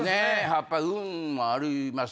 やっぱ運もあります